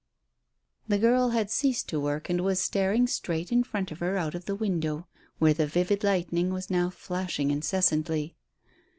The girl had ceased to work, and was staring straight in front of her out of the window, where the vivid lightning was now flashing incessantly.